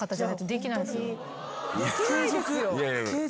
できないですよ。